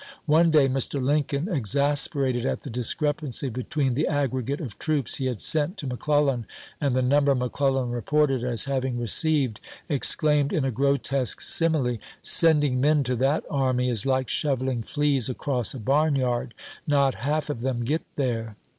One day Mr. Lincoln, exasperated at the discrepancy be tween the aggregate of troops he had sent to McClellan and the number McClellan reported as having received, exclaimed in a grotesque simile, " Sending men to that army is like shoveling fleas across a barnyard ; not half of them get there."